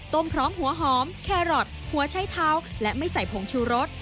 พร้อมหัวหอมแครอทหัวใช้เท้าและไม่ใส่ผงชูรส